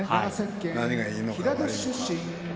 何がいいのか。